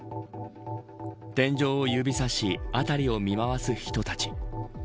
天井を指さし辺りを見回す人たち。